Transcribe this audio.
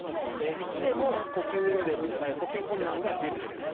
１でも呼吸困難が出るレベルです。